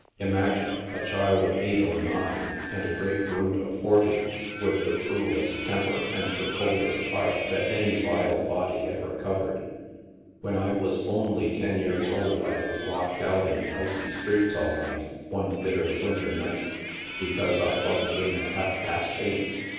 Imagine — a child of eight or nine and a great brute of forty, with the cruellest temper and the coldest heart that any vile body ever covered. When I was only ten years old I was locked out in the icy streets all night, one bitter winter night, be cause I wasn't in at half past eight.